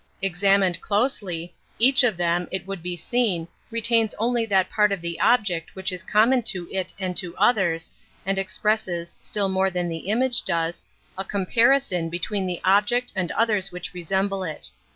Ex amined closely, each of them, it would be ^Eteen, retains only that part of the object ^Khich is common to it and to others, and ^"fecpresBes, still more than the image does, a comparison between the object and others' w hich resemble it.